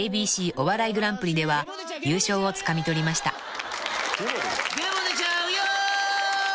ＡＢＣお笑いグランプリでは優勝をつかみ取りました］